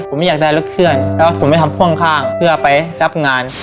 เดี๋ยวผมไม่อยากได้ลูกเพื่อนแล้วผมไม่ทำพ่อข้างเพื่อไปรับงาน